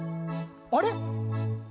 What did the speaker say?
あれ？